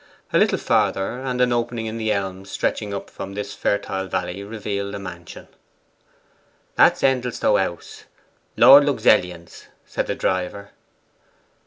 A little farther, and an opening in the elms stretching up from this fertile valley revealed a mansion. 'That's Endelstow House, Lord Luxellian's,' said the driver.